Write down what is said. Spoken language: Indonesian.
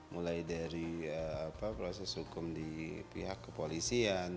mulai dari proses hukum di pihak kepolisian